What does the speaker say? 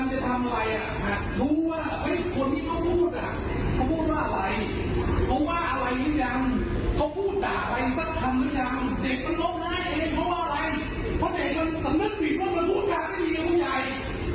พอเด็กมันสมมุติวิวว่ามันพูดกราบไม่รียองใหญ่